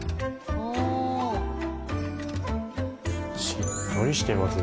しっとりしています。